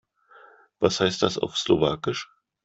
Was heißt das auf Slowakisch?